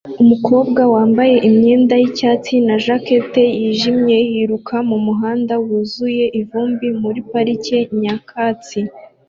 umukobwa wambaye imyenda yicyatsi na jacket yijimye yiruka mumuhanda wuzuye ivumbi muri parike nyakatsi